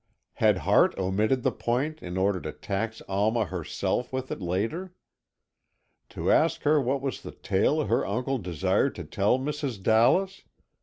Had Hart omitted the point in order to tax Alma herself with it later? To ask her what was the tale her uncle desired to tell Mrs. Dallas?